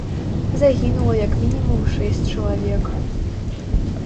Загінула як мінімум шэсць чалавек.